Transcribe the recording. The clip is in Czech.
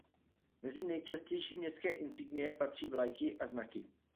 Mezi nejčastější městské insignie patří vlajky a znaky.